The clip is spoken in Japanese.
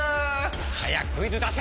早くクイズ出せ‼